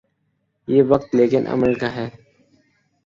یہ وقت لیکن عمل کا ہے۔